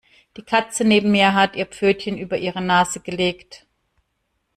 Die Katze neben mir hat ihr Pfötchen über ihre Nase gelegt.